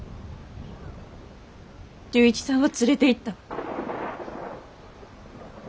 龍一さんを連れていったわ。